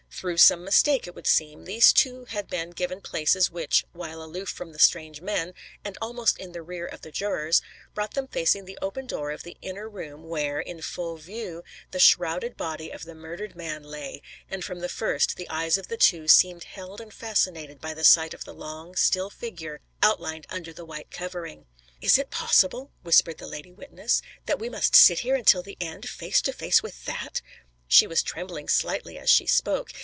Through some mistake, it would seem, these two had been given places which, while aloof from the strange men, and almost in the rear of the jurors, brought them facing the open door of the inner room, where, in full view, the shrouded body of the murdered man lay, and from the first the eyes of the two seemed held and fascinated by the sight of the long, still figure outlined under the white covering. "Is it possible," whispered the lady witness, "that we must sit here until the end, face to face with that!" She was trembling slightly, as she spoke.